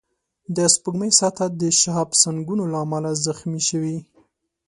د سپوږمۍ سطحه د شهابسنگونو له امله زخمي شوې